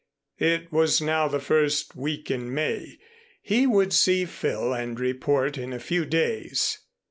It was now the first week in May. He would see Phil and report in a few days.